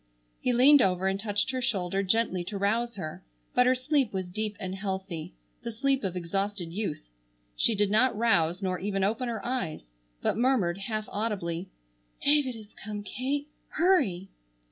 He leaned over and touched her shoulder gently to rouse her, but her sleep was deep and healthy, the sleep of exhausted youth. She did not rouse nor even open her eyes, but murmured half audibly; "David has come, Kate, hurry!"